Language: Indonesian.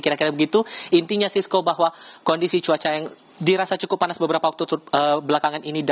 kira kira begitu intinya sisko bahwa kondisi cuaca yang dirasa cukup panas beberapa waktu belakangan ini